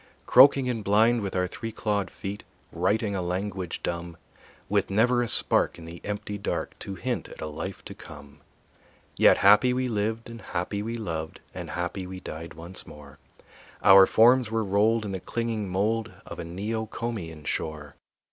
Croaking and blind, with our three clawed feet Writing a language dumb, With never a spark in the empty dark To hint at a life to come. Yet happy we lived and happy we loved, And happy we died once more; Our forms were rolled in the clinging mold Of a Neocomian shore.